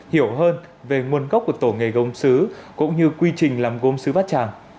hiểu hơn về nguồn gốc của tổ nghề gông sứ cũng như quy trình làm gông sứ bát tràng